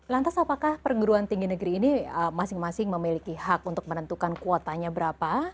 lantas apakah perguruan tinggi negeri ini masing masing memiliki hak untuk menentukan kuotanya berapa